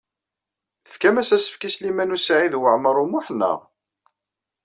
Tefkam-as asefk i Sliman U Saɛid Waɛmaṛ U Muḥ, naɣ?